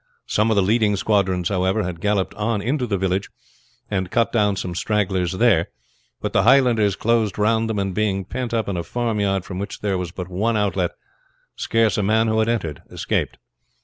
Some of the leading squadrons, however, had galloped on into the village, and cut down some stragglers there; but the Highlanders closed round them, and, being pent up in a farmyard from which there was but one outlet, scarce a man who had entered escaped.